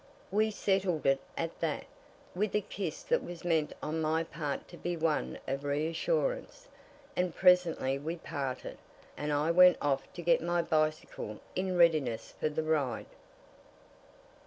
We settled it at that, with a kiss that was meant on my part to be one of reassurance, and presently we parted, and I went off to get my bicycle in readiness for the ride.